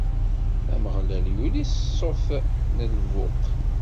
Ameɣlal yuli s ṣṣut n lbuq.